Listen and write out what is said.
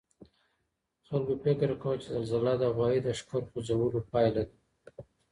خلګو فکر کاوه چي زلزله د غوايي د ښکر خوځولو پایله ده.